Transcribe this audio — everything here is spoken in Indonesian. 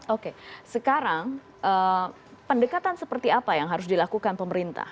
oke sekarang pendekatan seperti apa yang harus dilakukan pemerintah